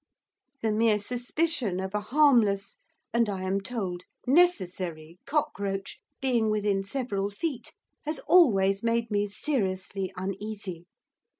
The mere suspicion of a harmless, and, I am told, necessary cockroach, being within several feet has always made me seriously uneasy.